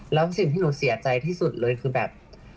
แล้วสิ่งที่หนูเสียใจที่สุดเลยคือแบบ